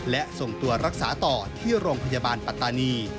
และส่งตัวรักษาต่อที่โรงพยาบาลปัตตานี